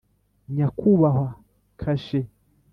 (nyakubahwa kashe